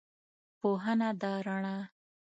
پوهنه ده رڼا